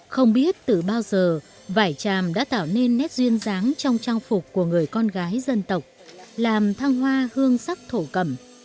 không biết từ bao giờ vải tràm đã tạo nên nét duyên dáng trong trang phục của người con gái dân tộc làm thăng hoa hương sắc thổ cẩm